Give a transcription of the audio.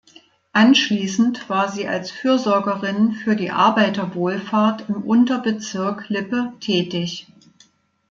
Anschließend war sie als Fürsorgerin für die Arbeiterwohlfahrt im Unterbezirk Lippe tätig.